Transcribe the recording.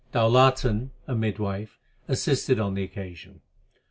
Daulatan, a midwife, assisted on the occasion.